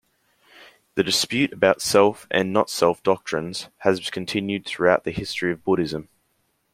The dispute about "self" and "not-self" doctrines has continued throughout the history of Buddhism.